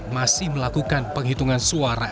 masih melakukan penghitungan suara